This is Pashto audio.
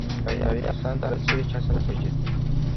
بریا هغو کسانو ته رسېږي چې هڅه نه پرېږدي.